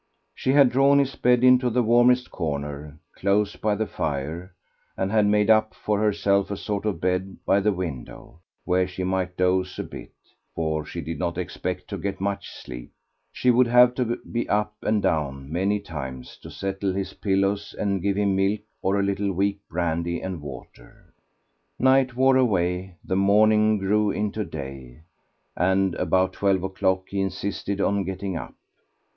She had drawn his bed into the warmest corner, close by the fire, and had made up for herself a sort of bed by the window, where she might doze a bit, for she did not expect to get much sleep. She would have to be up and down many times to settle his pillows and give him milk or a little weak brandy and water. Night wore away, the morning grew into day, and about twelve o'clock he insisted on getting up.